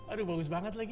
aduh bagus banget lagi